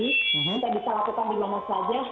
kita bisa lakukan dimana aja